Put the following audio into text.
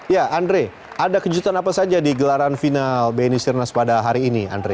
ya andre ada kejutan apa saja di gelaran final bnc rennes pada hari ini